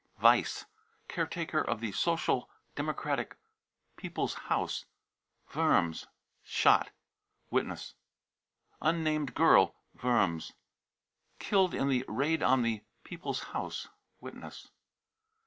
weiss, caretaker of the Social Democratic People's House, Worms, shot. (Witness.) unnamed girl, Worms, killed in the raid on the People's House. (Witness.)